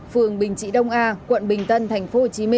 phường bình trị đông a quận bình tân tp hcm